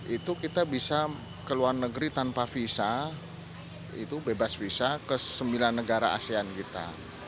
itu kita bisa ke luar negeri tanpa visa itu bebas visa ke sembilan negara asean kita